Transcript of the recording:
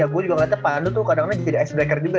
gue juga ngeliatnya pandu tuh kadang kadang jadi icebreaker juga